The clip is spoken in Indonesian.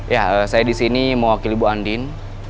ya saya disini mewakili bu andin